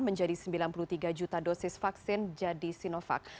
menjadi sembilan puluh tiga juta dosis vaksin jadi sinovac